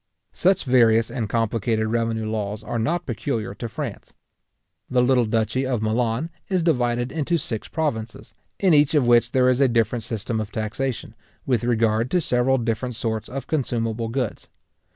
Such various and complicated revenue laws are not peculiar to France. The little duchy of Milan is divided into six provinces, in each of which there is a different system of taxation, with regard to several different sorts of consumable goods.